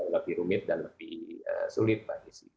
lebih rumit dan lebih sulit mbak desi